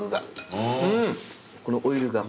このオイルが。